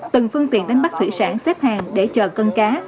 từng phương tiện đánh bắt thủy sản xếp hàng để chờ cân cá